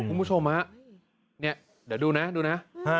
คุณผู้ชมฮะเนี่ยเดี๋ยวดูนะดูนะ